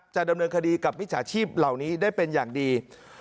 จะดำเนินคดีกับมิจฉาชีพเหล่านี้ได้เป็นอย่างดี